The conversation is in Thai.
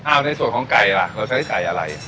เอาในส่วนของไก่ล่ะเราใช้ไก่อะไร